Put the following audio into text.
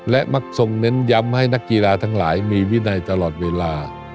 และมักทรงเน้นย้ำให้นักกีฬาทั้งหลายมีวินัยตลอดเวลา